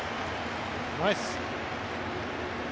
ナイス！